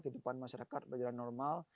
kehidupan masyarakat berjalan normal